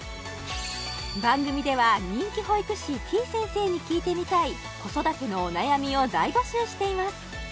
番組では人気保育士てぃ先生に聞いてみたい子育てのお悩みを大募集しています